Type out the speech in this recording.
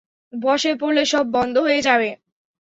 বসে পড়লে সব বন্ধ হয়ে যাবে।